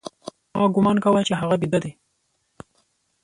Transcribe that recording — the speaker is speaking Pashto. ما گومان کاوه چې هغه بيده دى.